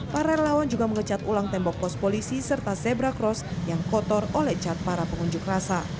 para relawan juga mengecat ulang tembok pos polisi serta zebra cross yang kotor oleh cat para pengunjuk rasa